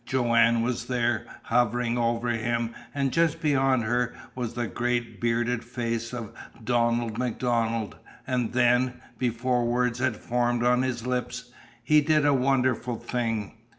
Joanne was there, hovering over him, and just beyond her was the great bearded face of Donald MacDonald. And then, before words had formed on his lips, he did a wonderful thing.